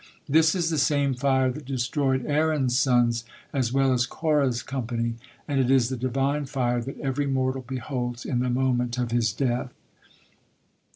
This is the same fire that destroyed Aaron's sons as well as Korah's company, and it is the Divine fire that every mortal beholds in the moment of his death.